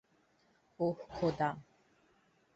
ওহ, খোদা!